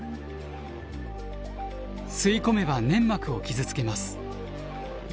吸い込めば粘膜を傷つけます。